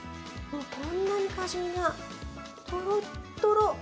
こんなに果汁がとろっとろ。